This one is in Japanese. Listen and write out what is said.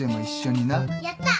やった！